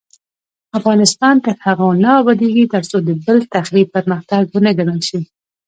افغانستان تر هغو نه ابادیږي، ترڅو د بل تخریب پرمختګ ونه ګڼل شي.